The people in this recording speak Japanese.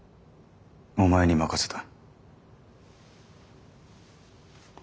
お前に任せた。